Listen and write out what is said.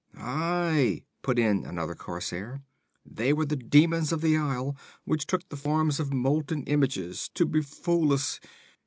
'Aye!' put in another corsair. 'They were the demons of the isle, which took the forms of molten images, to befool us.